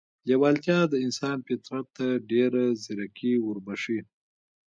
لېوالتیا د انسان فطرت ته ډېره ځیرکي وربښي